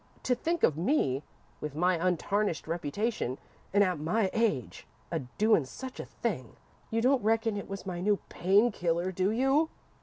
To think of me, with my untarnished reputation, and at my age, a doin' such a thing! You don't reckon it was my new pain killer, do you?"